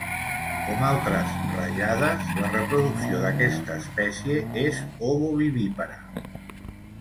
Com altres rajades, la reproducció d'aquesta espècie és Ovovivípara.